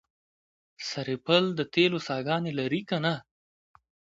سرپل د تیلو څاګانې لري که نه؟